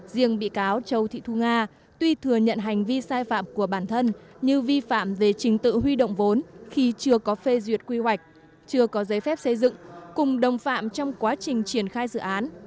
riêng bị cáo châu thị thu nga tuy thừa nhận hành vi sai phạm của bản thân như vi phạm về trình tự huy động vốn khi chưa có phê duyệt quy hoạch chưa có giấy phép xây dựng cùng đồng phạm trong quá trình triển khai dự án